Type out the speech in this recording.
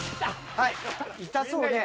はい痛そうね。